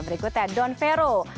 berikutnya don vero